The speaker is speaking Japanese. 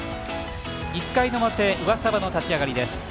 １回の表、上沢の立ち上がりです。